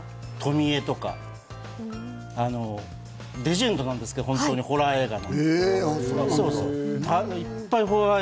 『富江』とか、レジェンドなんですが、ホラー漫画の。